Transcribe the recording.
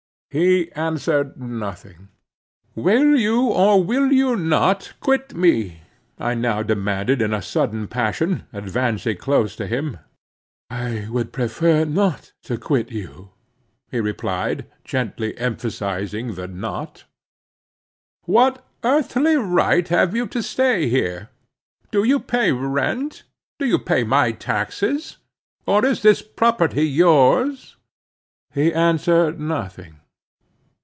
He answered nothing. "Will you, or will you not, quit me?" I now demanded in a sudden passion, advancing close to him. "I would prefer not to quit you," he replied, gently emphasizing the not. "What earthly right have you to stay here? Do you pay any rent? Do you pay my taxes? Or is this property yours?" He answered nothing.